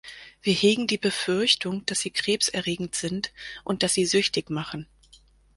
Wir hegen die Befürchtung, dass sie Krebs erregend sind und dass sie süchtig machen.